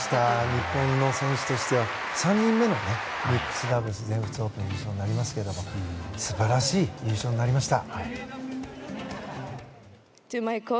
日本の選手としては３人目のミックスダブルス全仏オープン優勝になりますけど素晴らしい優勝になりました。